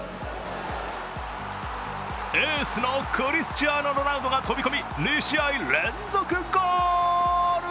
エースのクリスチアーノ・ロナウドが飛び込み２試合連続ゴール。